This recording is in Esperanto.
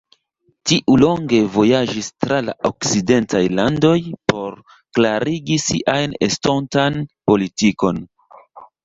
Tiu longe vojaĝis tra la okcidentaj landoj por klarigi sian estontan politikon.